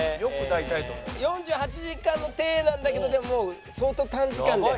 ４８時間の体なんだけどでも相当短時間で。